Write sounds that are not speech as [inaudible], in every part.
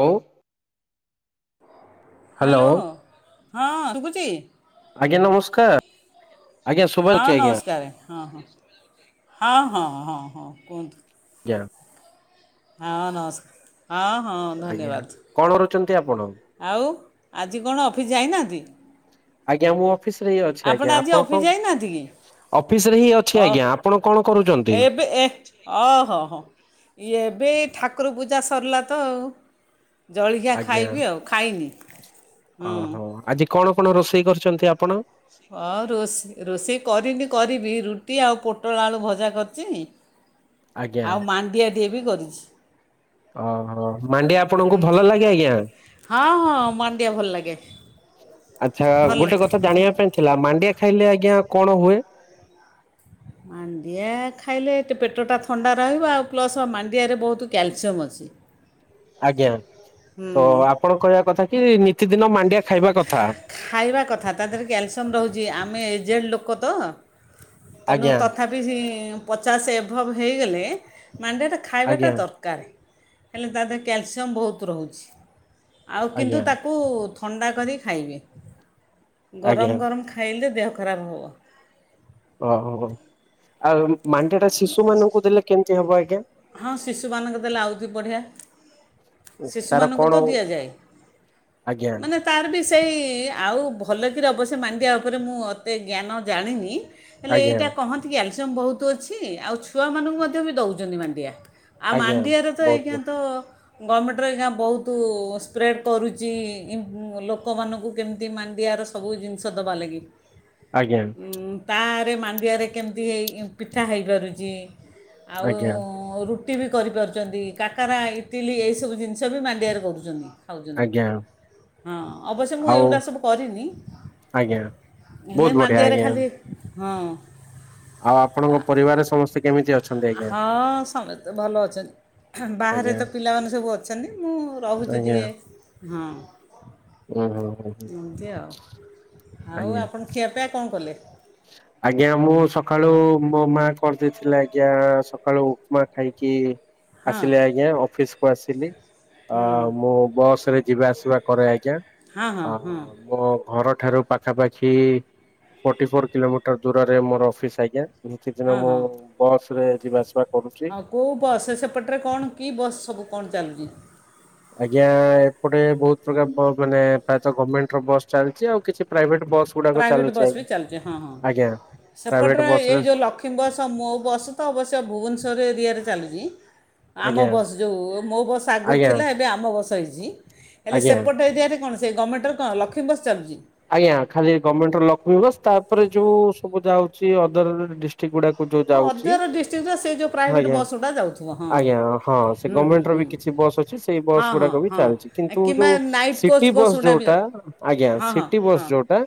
ହଉ। ହ୍ୟାଲୋ ହଁ ଶୁଭୁଚି। ଆଜ୍ଞା ନମସ୍କାର୍ ହଁ ନମସ୍କାର ହଁ ହଁ ହଁ ହଁ ହଁ ହଁ କୁହନ୍ତୁ ଆଂଜ୍ଞା ହଁ ନମସ୍କାର। ହଁ ହଁ ଆଜ୍ଞା। ଧନ୍ୟବାଦ କଣ କରୁଛନ୍ତି ଆପଣ ଆଉ ଆଜି କ ଣ ଅଫିସ୍ ଯାଇନାହାନ୍ତି? ଆଜ୍ଞା ମୁଁ ଅଫିସ ରେ ହିଁ ଅଛି ଆଜ୍ଞା ଆପଣ ଆଜି କଣ ଅଫିସ୍ ଯାଇନାହାନ୍ତି କି? ଅଫିସ ରେ ହିଁ ଅଛି ଆଜ୍ଞା ଆପଣ କଣ କରୁଛନ୍ତି? ଅ ଏବେ ଏଠ୍ ଅହହ ଏଵେ ଏ ଠା କୁର୍ ପୂଜା ସରିଲା ତ ଆଉ ଜଳଖିଆ ଆଜ୍ଞା ଖାଇବି ଆଉ ଖାଇନି [inaudible] ହୁଁ ଆପଣ ରୋଷେଇ କରିଛନ୍ତି ଆପଣ ହଁ ରୋଷେଇ ରୋଷେଇ କରିନି କରିବି ରୁଟି ଆଉ ପୋଟଳ ଆଳୁ ଭଜା କର୍ ଚ ଆଜ୍ଞା ଆଉ ମାଣ୍ଡିଆ ିଏ ବି କରିଛି ଓହୋ ମାଣ୍ଡିଆ ଆପଣଙ୍କୁ ହୁଁ ଭଲ ଲାଗେ ଆଜ୍ଞା [inaudible] ହଁ ହଁ ମାଣ୍ଡିଆ ଭଲ ଲାଗେ ଆଚ୍ଛା ଭଲ ଗୋଟେ କଥା ଜାଣିବା ପାଇଁ ଥିଲା ମାଣ୍ଡିଆ ଖାଇଲେ ଆଜ୍ଞା କଣ ହୁଏ? ମାଣ୍ଡିଆ ଖାଇଲେ ଏତେ ପେଟଟା ଥଣ୍ଡା ରହିବ ଆଉ ପ୍ଲସ୍ ଆ ମାଣ୍ଡିଆରେ ବହୁତ କ୍ୟାଲସିୟମ୍ ଅଛି। ଆଜ୍ଞା ହୁଁ ତ ଆପଣଙ୍କ କହିବା କଥା କି ନିତିଦିନ ମାଣ୍ଡିଆ ଖାଇବା କଥା। ଖାଇବା କଥା ତା ଦେହରେ କାଲସିୟମ୍ ରହୁଛି ଆମେ ଜେଡ ଲୋକ ତ? ତେଣୁ ଆଜ୍ଞା ତଥାପି ସେ ପଚାଶ ଏଭବ ହେଇଗଲେ ମଣ୍ଡିଆ ଟା ଖାଇବାଟା ଆଜ୍ଞା ଦରକାର୍। ହେଲେ ତା ଦେହରେ କ୍ୟାଲସିୟମ୍ ବହୁତ ରହୁଚି। ଆଉ କିନ୍ତୁ ଆଜ୍ଞା ତାକୁ ଅଣ୍ଡା କରି ଖାଇବେ। ଆଜ୍ଞା ଗରମ ଗରମ ଖାଇଲେ ଦେହ ଖରାପ ହଵ। ଓ ହ ହ ଆଉ ମାଣ୍ଡିଆ ଟା ଶିଶୁ ମାନଙ୍କୁ ଦେଲେ କେମିତି ହବ ଆଜ୍ଞା? ଉଁ ଶିଶୁମାନଙ୍କୁ ଦେଲେ ଆଉଦି ବଢିଆ। ତାର ଶିଶୁମାନଙ୍କୁ କଣ ତ ଦିଆଯାାଏ ଆଜ୍ଞା ମାନେ ତାର୍ ବି ସେଇ ଆଉ ଭଲକିରି ଅବଶ୍ୟ ମାଣ୍ଡିଆ ଉପରେ ମୁଁ ଅତେ ଜ୍ଞାନ ଜାଣିନି ହେଲେ ଆଜ୍ଞା ଏଇଟା କହନ୍ତିି କାଲ ବହୁତ ଅଛି। କି ଆଉ ଛୁଆମାନଙ୍କୁ ମଧ୍ୟ ବି ଦେଉଛନ୍ତି ମାଣ୍ଡିଆ। ଆଉ ଆଜ୍ଞା ମାଣ୍ଡିଆରେ ତ ବହୁତ ଏଇଖିନା ବହୁତ ତ ଗଭମେଣ୍ଟର ଆଜ୍ଞା ବହୁତ ସ୍ପ୍ରେଡ଼୍ କରୁଛି ଲୋକମାନଙ୍କୁ କେମିତି ମାଣ୍ଡିଆାର ସବୁ ଜିନିଷ ଦବା ଲାଗି। ଆଜ୍ଞା ଉଁ ତା ମାଣ୍ଡିଆ ରେ କେମିତି ହେଇ ଇଁ ପିଇ ନାଁ ହେଇପାରୁଚି। ଆଉ ଆଜ୍ଞା ରୁ ରୁଟି ବି କରିପାରୁଚନ୍ତି କାକରା ଇଟିଲି ଏଇସବୁ ଜିନିଷ ବି ମାଣ୍ଡିଆରେ କରୁଚନ୍ତି। ଖାଉଚନ୍ତି ଆଜ୍ଞା ହଁ ଅବଶ୍ୟ ମୁଁ ଆଉ ଏଗୁଡ଼ା ସବୁ କରିନି ଆଜ୍ଞା ହେଲେ ବହୁତ ବଢିଆ ମାଣ୍ଡିଆରେ ଆଜ୍ଞା। ଖାଲି ହଁ ଆଉ ଆପଣଙ୍କ ପରିବାରରେ ସମସ୍ତେ କେମିତି ଅଛ? ହଁ ସମସ୍ତେ ଭଲ ଅଛନି। ଫା ବାହାରେ ଆଜ୍ଞା ତ ପିଲାମାନେ ସବୁ ଅ ଛନି ମୁଁ ରହୁଛି ଆଜ୍ଞା ଟିକେ ହଁ। ଉଁ ହୁଁ ହୁଁ ହୁଁ ଏମତି ଆଉ ଆଉ ଆଜ୍ଞା। ଆପଣ ଖିଆ ପିଆ କଣ କଲେ। ଆଜ୍ଞା ମୁଁମ ସକାଳୁ ମୋ ମା କରିଦେଇଥିଲେି ଆଜ୍ଞା ସକାଳୁ ଉପମା ଖାଇକି। ହଁ ଆସିଲି ଆଜ୍ଞା ଅଫିସ କୁ ଆସିଲି ହୁଁ ମୁଁ ବସ ରେ ଯିବା ଆସିବା କରେ ଆଜ୍ଞା ହଁ ହଁ ହଁ ମୋ ଘର ଠାରୁ ପାଖାପାଖି ଫଟି ଫର କିଲୋମିଟର ଦୂରରେ ମୋର ଅଫିସ୍ ଆଜ୍ଞା କିଛି ଦିନ ହଁ ମୁଁ ହଁ ବସ ରେ ଯିବାସିବା ଆଉ କୋଉ ବସ୍ ସେପଟରେ କଣ କି ବସ୍ ସବୁ କଣ ଚାଲୁଛି। ଆଜ୍ଞା ଏପଟେ ବହୁତ ପ୍ରକାର ବ ମାନେ ପ୍ରାୟତ ଗର୍ମେଣ୍ଟର ବସ୍ ଚାଲିଛି ଆଉ କିଛି। ପ୍ରାଇଭେଟ ବସ୍ ଗୁଡାକ ପ୍ରାଇଭେଟ୍ ଚାଲୁଛି ବସ୍ ଆଜ୍ଞା ବି ଚାଲୁଛି ହଁ ହଁ ଆଜ୍ଞା ପ୍ରାଇଭେଟ ସେପଟରେ ବସ ଏ ରେ ଯୋଉ ଲକ୍ଷ୍ମୀ ବସ୍ ମୋ ବସ୍ ତ ଅବଶ୍ୟ ଭୁବନେଶ୍ୱର ଏରିଆରେ ଚାଲୁଚି ଆମ ଆଜ୍ଞା ବସ୍ ଯୋଉ ମୋ ବସ୍ ଆଗରୁ ଆଜ୍ଞା ଥିଲା ଏବେ ଆମ ବସ୍ ହେଇଚି ହେଲେ ଆଜ୍ଞା ସେପଟ ଏରିଆରେ। କଣ ସେ ଗମେଣ୍ଟର କଣ ଲକ୍ଷ୍ମୀ ବସ ଚାଲୁଚି। ଆଜ୍ଞ ଖାଲି ଗମେଣ୍ଟର ଲକ୍ଷ୍ମୀ ବସ୍ ତାପରେ ଯୋଉ ସବୁ ଯାଉଚି ଅଦର ଡିଷ୍ଟ୍ରିକ୍ଟ ଗୁଡାକ। ଯୋଉ ଓ ଯାଉଛି ଅଦର ଡିଷ୍ଟ୍ରିକ୍ଟର ସେ ଯେଉଁ ପ୍ରାଇଭେଟ୍ ଆଜ୍ଞା ବସ୍ ଗୁଡ଼ା ଯାଉଥିବ ହଁ ଆଜ୍ଞା ହଁ ସେ ହୁଁ ହୁଁ ଗମେଣ୍ଟ ର ହୁଁ ବି କିଛି ବସ୍ ଅଛି ସେଇ ବସ୍ ହଁ ହଁ ଗୁଡାକ ବି ଚାଲୁଚି ହଁ କିନ୍ତୁ କିମ୍ବା ଯୋଉ ନାଇଟ୍ ସିଟି କୋଚ୍ ବସ୍ ଗୁଡ଼ା ବି ଯୋଉଟା ଯାଉ ଆ୍ଞା ହଁ ହଁ ସିଟି ବସ୍ ହଁ ଯୋଉଟା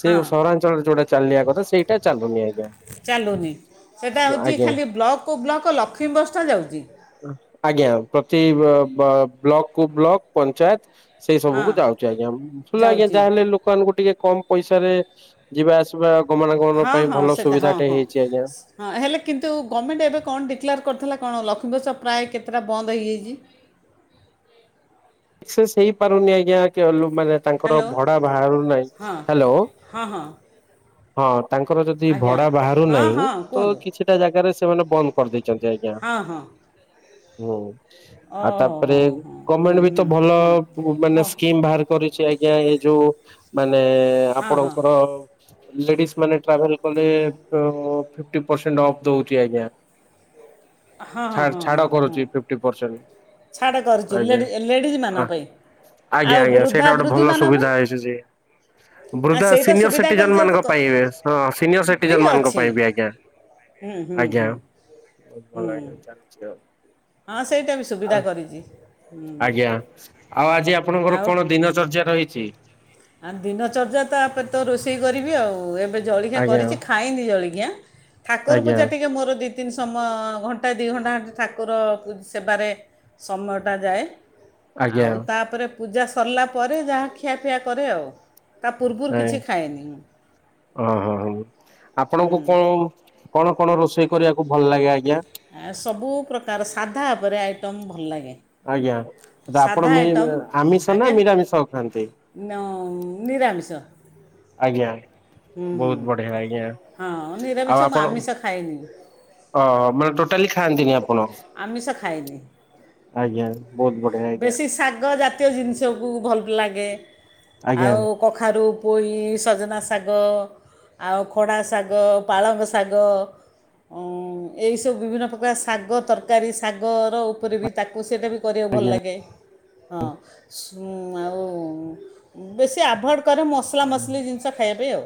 ସେ ହଁ ସହରାଞ୍ଚଳରେ ଯୋଉଟା। ଚାଲିବା କଥା ସେଇଟା ଚାଲୁନି ଆଜ୍ଞା ଚାଲୁନି ସେଟା ହେଉଛି ଆଜ୍ଞା ଖାଲି ବ୍ଲକକୁ ବ୍ଲକ ଲକ୍ଷ୍ମୀ ବସ୍ଟା ଯାଉଛି ଆଜ୍ଞା ପ୍ରତି ବ ବ। ବ୍ଲକ କୁ ବ୍ଲକ ପଞ୍ଚାୟତ ସେଇ ହଁ ସବୁକୁ ଯାଉଛି ଆଜ୍ଞା ଭୁଲ ଆଜ୍ଞା ଯାଉଛି ଯାହାହେଲେ ଲୋକ ଟିକେ କମ ପଇସାରେ ଯିବା ଆସିବା ଗମନାଗମନ ହଁ ପାଇଁ ହଁ ଭଲ ସେଟା ହଁ ସୁବିଧାଟେ ହଁ ହେଇଛି ଆଜ୍ଞା ହେଲେ କିନ୍ତୁ ଗମେଣ୍ଟ ଏବେ କଣ ଡିକ୍ଲେଆର୍ କରିଥିଲା କଣ ଲ ଲକ୍ଷ୍ମୀ ବସ୍ ପ୍ରାୟ କେତେଟା ବନ୍ଦ ହେଇଯାଇଛି । ସକ୍ସେସ୍ ହେଇପାରୁନି ଆଜ୍ଞା ମାନେ ତାଙ୍କର ହ୍ୟାଲୋ ଭଡା ବାହାରୁ ନାହିଁ ହଁ ହ୍ୟାଲୋ ହଁ ହଁ ହଁ। ତାଙ୍କର ଯଦି ଆଜ୍ଞା ଭଡା ବାହାରୁ ହଁ ନାହିଁ ହଁ ତ କୁହନ୍ତୁ କିଛିଟା ଜାଗାରେ ସେମାନେ ବନ୍ଦ କରି ଦେଇଛନ୍ତି ଆଜ୍ଞା । ହଁ ହଁ ହୁଁ ଆଉ ଓହୋ ତାପରେ ହଁ ହଁ ହୁଁ ଗମେଣ୍ଟ ବି ହୁଁ ତ ଭଲ ହୁଁ ମାନେ ହଉ ସ୍କିମ ବାହାର କରି ଆଜ୍ଞା ଏ ଯୋଉ ମାନେ ମାନେ ହଁ ହଁ ହଁ ଆପଣଙ୍କର ଲେଡିସ୍ ମାନେ ଟ୍ରାଭେଲ କଲେ ଫିଫ୍ଟି ପର୍ସେଣ୍ଟ ଅଫ୍ ଦଉଚି ଆଜ୍ଞା। ହଁ ଛାଡ ହଁ ହଁ ଛାଡ ହଁ କରୁଛି ଫିଫଟି ପରସେଣ୍ଟ। ଛାଡ଼ କରୁଚି ଆଜ୍ଞା। ଲେଡି ଲେଡିଜ୍ ମାନଙ୍କ ପାଇଁ ଆଜ୍ଞା ଆଉ ଆଜ୍ଞା ବୃଦ୍ଧା ସେଇଟା ଗୋଟେ ବୃଦ୍ଧି ଭଲ ମାନଙ୍କ ପାଇଁ ସୁବିଧା ହେଇଛି ଯେ। [inaudible] ଆ ବୃଦ୍ଧା ସେଇଟା ସିନିୟର ସୁବିଧା କରି ସିଟିଜେନ ମାନଙ୍କ ପାଇଁ ହଁ ସିନିୟର ସିଟିଜେନ ମାନଙ୍କ ଅଛି ପାଇଁ ବି ଆଜ୍ଞା ହୁଁ ହୁଁ ଆଜ୍ଞା ହୁଁ ହୁଁ ଭଲଭାବେ ଚାଲିଚି ଆଉ। ହଁ ସେଇଟା ବି ସୁବିଧା କରିଚି ହୁଁ ଆଜ୍ଞା । ଆଉ ଆଜି ଆପଣଙ୍କର କଣ ଦିନଚର୍ଯ୍ୟା ରହିଛି? ଆ ଦିନଚର୍ଯ୍ୟା ତାପରେ ତ ରୋଷେଇ କରିବି ଆଉ ଏବେ ଜଳଖିଆ ଆଜ୍ଞା କରିଛି ଖାଇନି ଜଳଖିଆ ଠାକୁର ଆଜ୍ଞା ପୂଜା ଟିକେ ମୋର ଦି ଦୁଇ ତିନି ସମୟ ଘଣ୍ଟାଏ ଦୁଇ ଘଣ୍ଟା ଖଣ୍ଡେ ଠାକୁର ସେବାରେ ସମୟଟା ଯାଏ । ଆଜ୍ଞା ଆଉ ତାପରେ ପୂଜା ସରିଲା ପରେ ଯାହା ଖିଆପିଆ କରେ ଆଉ। ତା ପୂର୍ବରୁ ଆଁ କିଛି ଖାଏନି [inaudible] ଓହୋ ହଁ ହଉ ଆପଣଙ୍କୁ କଣ କଣ କଣ ରୋଷେଇ କରିବାକୁ ଭଲ ଲାଗେ ଆଜ୍ଞା। ଆ ସବୁ ପ୍ରକାର ସାଧା ଉପରେ ଆଇଟମ ଭଲଲାଗେ। ଆଜ୍ଞା ଆପଣ ଆମିଷ ନା ଆଜ୍ଞା ନିରାମିଷ ଖାଆନ୍ତି? [inaudible] ନ- ନିରାମିଷ ଆଜ୍ଞା। ହୁଁ ହୁଁ ବହୁତ ବଢିଆ ଆଜ୍ଞା ହଁ ନିରାମିଷ ଆଉ ମୁଁ ଆପଣ ଆମିଷ ଖାଏନି [inaudible] ଅ ମାନେ ଟୋଟାଲି ଖାଆନ୍ତିିନି ଆଉ ଆମିଷ ଖାଏନି ଆଜ୍ଞା ବହୁତ ବଢିଆ [inaudible] ଆଜ୍ଞା ବେଶୀ ଶାଗ ଜା ତୀୟ ଜିନିଷକୁ ଭଲଲାଗେ। ଆଜ୍ଞା ଆଉ କଖାରୁ ପୋଇ, ସଜନା ଶାଗ, ଆଉ ଖଡ଼ା ଶାଗ, ପାଳଙ୍ଗ ଶାଗ, ଅଁ ଏଇସବୁ ବିଭିନ୍ନ ପ୍ରକାର ଶାଗ ତର କାରୀ ଶାଗର ଉପରେ ବି ତାକୁ ସେଟା ବି କରିବା ଭଲ ଆଜ୍ଞା। ଲାଗେ। ହଁ ସୁଂ ଆଉ ବେଶୀ ଆଭୁଏଡ କରି ମସଲା ମସଲି ଜିନିଷ ଖାଇବା ପାଇଁ ଆଉ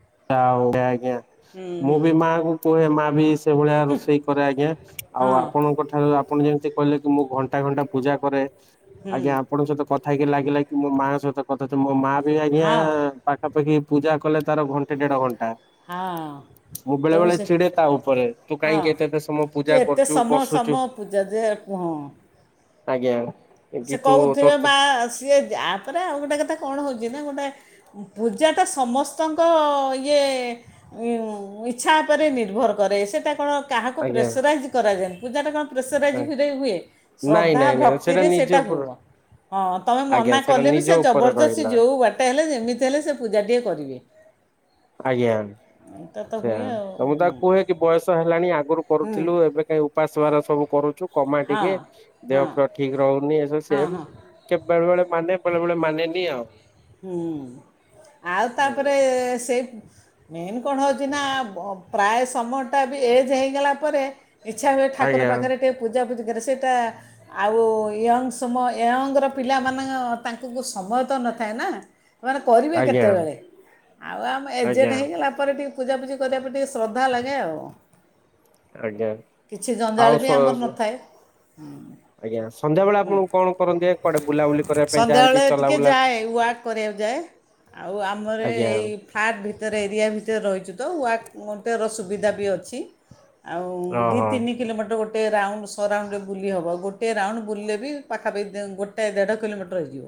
[unintelligible] ଆଜ୍ଞା ହୁଁ ମୁଁ ହୁଁ ବି ମାଙ୍କୁୁ କୁହେ ମା ବିଶ ସେଇ ଭଳିଆ ରୋଷେଇ କରେ ଆଙ୍ଗ୳୲ ଆଉ ହଁ ଆପଣଙ୍କ ଠାରୁ ଆ ଆପଣ ଯେମିତି କହିଲେ କି ମୁଁ ଘଣ୍ଟା ଘଣ୍ଟା ପୂଜା କରେ ହୁଁ ଆଜ୍ଞା ଆପଣଙ୍କ ସହିତ କଥା ହେଇକି ଲାଗିଲା କି ମୋ ମାଆ ସହିତ କଥା ମୋ ମା ସିଏ ଆଜ୍ଞା ହଁ ପାଠ [unintelligible] ପୂଜା କଲେ ତାର ଘ ଦେଢ଼ ଘଣ୍ଟା ହଁ ମୁଁ ବେଳେ ତମ ବେଳେ ସେ ଚିଡେ ତା ଉପରେ ତୁ ହଁ କାହିଁକି ଏତେ ଏତେ ସମୟ ପୂଜା ତୁ ଏତେ କରୁଚୁ ସମୟ ବସୁଚୁ ସମୟ ପୂଜା ଯେ ହଁ ଆଜ୍ଞା କି ସେ ତୁ ତୋର କହୁଥିବେ ତ ମା ସିଏ ଯା ଆପରେ ଆଉ ଗୋଟେ କଥା କଣ ହଉଛି ନା ଗୋଟେ ପୂଜାଟା ସମସ୍ତଙ୍କ ଇଏ ଇଚ୍ଛା ଉପରେ ନିର୍ଭର କରେ ସେଟା କଣ କାହାକୁ ଆଜ୍ଞା ପ୍ରେସରାଇଜ୍ କରାଯାଏ ପୂଜାଟା କଣ ପ୍ରେସରାଇଜରେ ହୁଏ ନାଇଁ ଶ୍ରଦ୍ଧା ନାଇଁ ନାଇଁ ଭକ୍ତିରେ ନିଜ ସେଇଟା ଉପର ହବ ହଁ ତମେ ଆଜ୍ଞା ମନା ସେଇଟା କଲେ ବି ନିଜ ସେ ଉପରେ ଜବରଦସ୍ତି ରହିଲା ଯେଉଁ ବାଟେ ହେଲେ ଯେମିତି ହେଲେ ସେ ପୂଜାଟିଏ କରିବେ। ଆଜ୍ଞା ଏଇଟା ତ ହୁଏ ଆଉ ସେୟାପା ମୁଁ ତା ହୁଁ କୁହେ କି ବୟସ ହେଲାଣି ଆଗରୁ ହୁଁ କରୁଥିଲୁ ଏବେ କାହି ଉପାସ ସବୁ କରୁଚୁ। କମା ହଁ ଟିକେ ହଁ ଦେହ ପେହ ଠିକ ରହୁନି ଏସବୁ ହଁ ସେବି ହଁ କେବେଳେ ବେଳେ ମାନେ ବେଳେ ବେଳେ ମାନେନି ଆଉ ହୁଁ ଆଉ ତାପରେ ସେ ମେନ କଣ ହଉଚି ନା ପ୍ରାୟ ସମୟଟା ବି ଏଜ୍ ହେଇଗଲା ପରେ ଇଚ୍ଛା ହୁଏ ଠାକୁର ଆଜ୍ଞା ପାଖରେ ଟିକେ ପୂଜା ପୁଜି ଆରେ ସେଇଟା ଆଉ ୟଙ୍ଗ୍ ସମ ୟଙ୍ଗ୍ ର ପିଲାମାନଙ୍କ ତାଙ୍କୁ ସମୟ ତ ନ ଥାଏ ନା ସେମାନେ କରିବେ ଆଜ୍ଞା କେତେବେଳେ ଆଉ ଆମେ ଏଜେଡ୍ ଆଜ୍ଞା ହେଇଗଲା ପରେ ଟି ପୂଜାପୂଜି କରିବା ପାଇଁ ଟିକେ ଶ୍ରଦ୍ଧା ଲାଗେ ଆଉ ଆଜ୍ଞା ଆଉ ସ ହୁଁ। ଆଜ୍ଞା। ସନ୍ଧ୍ୟାବେଳେ ଆପଣ କଣ କରନ୍ତି କୁଆଡେ ବୁଲାବୁଲି କରିବା ପାଇଁ ଯାଆନ୍ତି ଚଲାବୁଲା କରିଆକୁ ଯାଏ। ଆଉ ଆମର ଆଜ୍ଞା ଏଇ ଫାଲର୍ଟ ଭିତ ଭିତର ଏରିଆ ଭିତରେ ରହିଛୁ ତ ୱାର୍କର ସୁବିଧା ବି ଅଛି। ଆଉ ଦି ଓହୋ ତିନି କିଲୋମିଟର ଗୋଟେ ଗୋଟେ ରାଉଣ୍ଡ ସରାଉଣ୍ଡ ରେ ବୁଲି ହବ ଗୋଟେ ରାଉଣ୍ଡ ବୁଲିଲେ ବି ପାଖାପାଖି ଗୋଟେ ଦେଢ଼ କିଲୋମିଟର ହେଇଯିବ।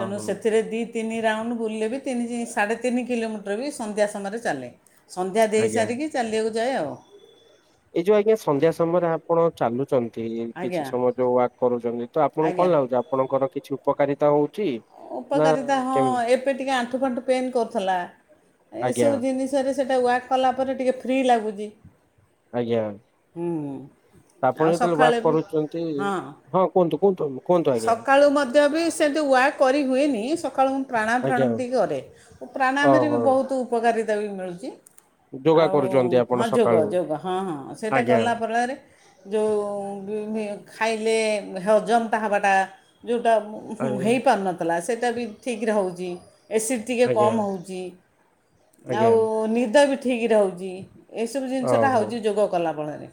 ତେଣୁ ଓହୋ ସେଥିରେ ଦି ତିନି ରାଉଣ୍ଡ ବୁଲିଲେ ବି ତିନି ସାଢ଼େ ତିନି କିଲୋମିଟର ବି ସନ୍ଧ୍ୟା ସମୟରେ ଚାଲେ। ସନ୍ଧ୍ୟା ଦେଇ ଆଜ୍ଞା। ସାରିକି ଚାଲିିବାକୁ [unintelligible] ଏଇ ଯୋଉ ଆଜ୍ଞା ସନ୍ଧ୍ୟା ସମୟରେ ଆପଣ ଚାଲୁ ଛନ୍ତି ଆଜ୍ଞା କିଛି ସମୟ ଯୋଉ ୱାକ୍ କରୁଛନ୍ତି ତ ଆପଣଙ୍କୁ କଣ ଆଜ୍ଞା ଲାଗୁଛି ଆପଣଙ୍କର କିଛି ଉପକାରିତା ହଉ ଉପକାରିତା ହଁ ଏବେ ଟିକେ ଆଣ୍ଠୁ ଫାଣ୍ଠୁ ପେନ୍ କରୁଥିଲା [inaudible] ଆଜ୍ଞା ଏସବୁ ଜିନିଷରେ ସେଇଟା ୱାକ୍ କଲା ପରେ ଟିକେ ଫ୍ରି ଲାଗୁଛି। ଆଜ୍ଞା ହୁଁ। [inaudible] ଆଉ ଆପଣ ଯେତେବେଳେ ସକାଳେ ୱାକ୍ ବି କରୁଛନ୍ତି ହଁ କୁହନ୍ତୁ କୁହନ୍ତୁ କୁହନ୍ତୁ ଆଜ୍ଞା। ସକାଳୁ ମଧ୍ୟ ବି ସେମିତି ୱକ୍ କରିହୁଏନି ସକାଳୁ ପ୍ରାଣାୟମ୍ ଆଜ୍ଞା ଫ୍ରାଣାୟମ୍ ଟିକେ କରେ ଓ ପ୍ରାଣାୟମ୍ ରେ ବି ଓହୋ ବହୁତ ଉପକାରୀତା ବି ମିଳୁଛି। ଯୋଗା ଆଉ କରୁଛନ୍ତି ଆପଣ ହଁ ଯୋଗ ସକାଳୁ ଯୋଗ ହଁ ହଁ ସେଇଟା ଆଜ୍ଞା କଲା ଫଳରେ ଯୋଉ ଖାଇଲେ ହଜମ୍ ଟା ହବାଟା ଯୋଉଟା ଆଜ୍ଞା ହେଇପାରୁନା ଆଉ ସେଇଟା ବି ଠିକ୍ ରେ ହଉଛି। ଏସିଡ଼ ଟିକେ ଆଜ୍ଞା କମ୍ ହଉଛି, [inaudible] ଆଜ୍ଞା ଆଉ ନିଦ ବି ଠି ଠିକ୍ ରହୁଛି। ଏସବୁ ଜିନିଷଟା ଓହୋ ହଉଛି ଯୋଗ କଲା ଫଳ ଏ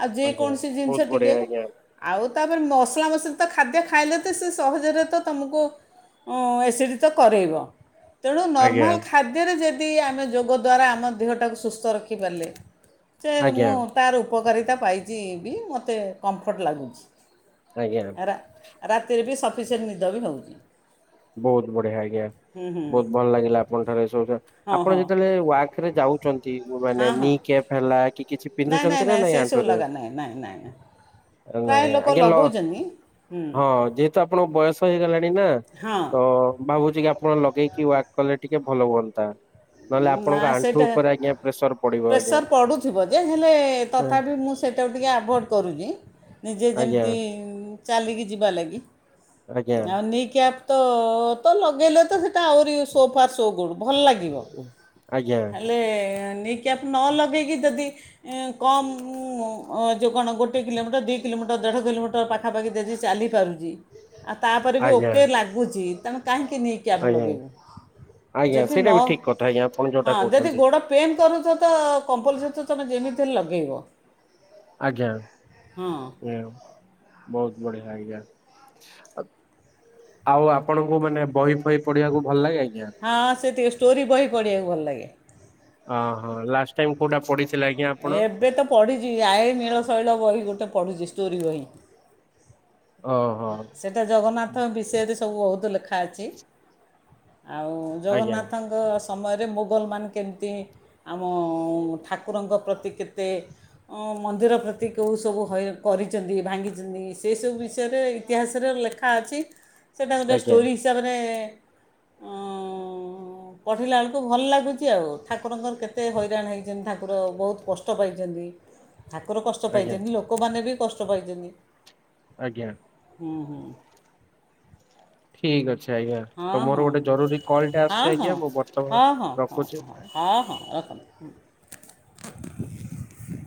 ଆଉ ଯେ ଆଜ୍ଞା କୌଣସି ଜିନିଷ ବହୁତ ଟିକେ ବଢିଆ ଆଜ୍ଞା ଆଉ ତାପରେ ମ ମସଲା ମସଲି ତ ଖାଦ୍ୟ ଖାଇଲେ ତ ସେ ସହଜରେ ତ ତମୁକୁ ଉଁ ଏସିଡି ତ କରେଇବ। ତେଣୁ ଆଜ୍ଞା ନର୍ମାଲ ଖାଦ୍ୟରେ ଯେ ତି ଆମେ ଯୋଗ ଦ୍ୱାରା ଆମ ଦେହଟାକୁ ସୁସ୍ଥ ରଖିପାରିଲେ ସେ ମୁଁ ଆଜ୍ଞା ତାର ଉ ଉପକାରିତା ପାଇଛି, ବି ମୋତେ କମ୍ଫର୍ଟ ଲାଗୁଛି। ଆଜ୍ଞା ରା ରାତିରେ ବି ସ ସେ ନିଦ ବି ହଉନି। ବହୁତ ବଢିଆ ଆଜ୍ଞା ହୁଁ ବହୁତ ଭଲ ଲାଗିଲା ଆପଣଙ୍କ ଠାରୁ ଏ ସବୁ ସୁ ହଁ ଆପଣ ହଁ ଯେତେବେଳେ ୱାର୍କରେ ଯାଉଛନ୍ତି, ହଁ ମାନେ ନି ହଁ କେପ ହେଲା କି କିଛି ନାଇଁ ପିନ୍ଧୁଛନ୍ତି ନାଇଁ ନା ନାଇଁ ସେ ସବୁ ଲଗା ନାଇଁ ନାଇଁ ନାଇଁ। ଏ ପ୍ରାୟ ନାଇଁ ଲୋକ ଆଜ୍ଞା ଲ ଲଗାଉଛନ୍ତି ହୁଁ [inaudible] ହଁ ଯେହେତୁ ଆପଣଙ୍କ ବୟସ ହେଇଗଲାଣି ନା ହଁ ତ ଭାବୁଛି କି ଆପଣ ଲ ଲଗେଇକି ୱାର୍କ କଲେ ଟିକେ ଭଲ ହୁଅନ୍ତା। ନହେଲେ ନା ଆପଣଙ୍କ ଆଣ୍ଠୁ ସେଇଟା ଉପରେ ଆଜ୍ଞା ପ୍ରେସର ପଡିବ ଆଜ୍ଞା ପ୍ରେସର ପଡ଼ୁଥିବ ଯେ ହେଲେ ହଁ ତଥାପି ମୁଁ ସେଇଟାକୁ ଟିକଏ ଆଭଏଡ଼ କରୁଛିି। ନିଜେ ଆଜ୍ଞା ଯେମିତି ଚାଲିକି ଯିବା ଲାଗି ଆଜ୍ଞା। ଆଉ ନି କ୍ୟାପ ତ ତ ଲଗେଇଲେ ତ ସେଇଟା ଆହୁରି ସୋ ଫାର ସୋ ଗୁଡ଼ ଭଲ ଲାଗିବ। ଆଜ୍ଞା ହେଲେ ନି କ୍ୟାପ ନ ଲଗେଇକି ଯଦି ଉଁ କମ ଉ ଯୋଉ କଣ ଗୋଟଏ କିଲୋମିଟର ଦି କିଲୋମିଟର ଦେଢ଼ କିଲୋମିଟର ପାଖାପାଖି ଯଦି ଚାଲିପାରୁଛି ଆଉ ତାପରେ ବି ଆଜ୍ଞା ଓକେ ଲାଗୁଚି କାହିଁକି ନି କ୍ୟାପ ଆଜ୍ଞା। ଲଗେଇବୁ ଆଜ୍ଞା ଯଦି ସେଇଟା ନ ବି ଠିକ କଥା ଆଜ୍ଞା ଆପଣ [inaudible] ଯୋଉଟା ହଁ ଯଦି କହୁଛନ୍ତି ଗୋଡ ପେନ କରୁଛି ତ କମ୍ପଲ ଲେ ତ ତମେ ଯେମିତି ହେଲେ ଲଗେଇବ। ଆଜ୍ଞା ହଁ ଏୟା ବହୁତ ବଢିଆ ଆଜ୍ଞା। ଆ ଆଉ ଆପଣଙ୍କୁ ମାନେ ବହି ଫହି ପଢିବାକୁ ଭଲ ଲାଗେ ଆଜ୍ଞା? ହଁ ସିଏ ଟିକେ ଷ୍ଟୋରି ବହି ପଢିବାକୁ ଭଲ ଲାଗେ। ଅ ହଁ ଲାଷ୍ଟ ଟାଇମ କୋଉଟା ପଢି ଏବେ ତ ପଢିଛି ଆଏ ନୀଳ ଶୈଳ ବହି ଗୋଟେ ପଢ଼ୁଛି ଷ୍ଟୋରି ବହି। ଓହୋ ସେଟା ଜଗନ୍ନାଥଙ୍କ ବିଷୟରେ ସବୁ ବହୁତ ଲେଖା ଅଛି । ଆଉ ଆଜ୍ଞା ଜଗନ୍ନାଥଙ୍କ ସମୟରେ ମୋଗଲମାନେ କେମିତି ଆମ ଠାକୁରଙ୍କ ପ୍ରତି କେତେ ମନ୍ଦିର ପ୍ରତି କୋଉ ସବୁ କରିଛନ୍ତି ଭାଙ୍ଗିଛନ୍ତି ସେସବୁ ବିଷୟ ରେ ଇତିହାସର ଲେଖା ଅଛି। ସେଇଟା ଗୋଟେ ଆଜ୍ଞା ଷ୍ଟୋରି ହିସାବରେ ଅ ପଢିଲା ବେଳକୁ ଭଲ ଲାଗୁଛି ଆଉ ଠାକୁରଙ୍କର କେତେ ହଇରାଣ ହେଇଛନ୍ତି ଠାକୁର ବହୁତ କଷ୍ଟ ପାଇଛନ୍ତି ଠାକୁର କଷ୍ଟ ଆଜ୍ଞା ପାଇଛନ୍ତି ଲୋକମାନେ ବି କଷ୍ଟ କଷ୍ଟ ପାଇଛନ୍ତି। ଆଜ୍ଞା । ହୁଁ ହୁଁ। ଠିକ ଅଛି । ଆଜ୍ଞା ହଁ ତ ମୋର ହଁ ଗୋଟେ ଜରୁରୀ କଲ୍ ଟା ହଁ ଆସୁଛି ହଁ ଆଜ୍ଞା ମୁଁ ବର୍ତ୍ତମାନ ହଁ ହଁ ହଁ ରଖୁଛି। ହଁ ହଁ [inaudible] [unintelligible]